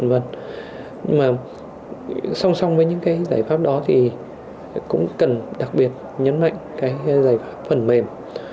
nhưng mà song song với những cái giải pháp đó thì cũng cần đặc biệt nhấn mạnh cái giải pháp phần mềm